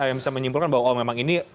yang bisa menyimpulkan bahwa oh memang ini